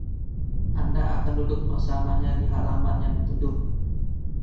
Anda akan duduk bersamanya di halaman yang teduh.